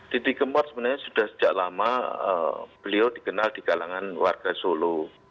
didi kempot sebenarnya sudah sejak lama beliau dikenal di kalangan warga solo